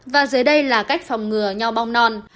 và dưới đây là cách phòng ngừa nhau bong non